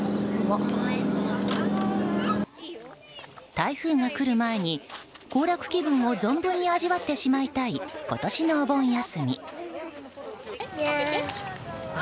台風が来る前に行楽気分を存分に味わってしまいたい今年のお盆休み。